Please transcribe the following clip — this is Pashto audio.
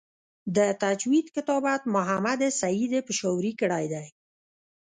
د تجوید کتابت محمد سعید پشاوری کړی دی.